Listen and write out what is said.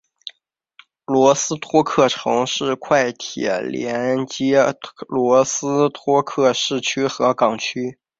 罗斯托克城市快铁连接罗斯托克市区和港区。